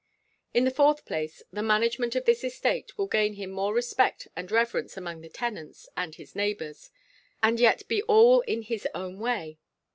In the fourth place, the management of this estate will gain him more respect and reverence among the tenants and his neighbours: and yet be all in his own way.